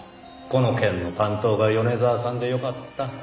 この件の担当が米沢さんでよかった。